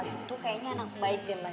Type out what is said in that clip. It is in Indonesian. kayaknya anak bayi dia